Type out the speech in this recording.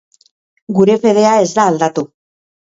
Gure fedea ez da aldatu.